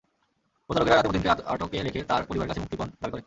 প্রতারকেরা রাতে মতিনকে আটকে রেখে তাঁর পরিবারের কাছে মুক্তিপণ দাবি করে।